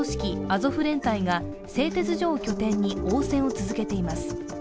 アゾフ連隊が製鉄所を拠点に応戦を続けています。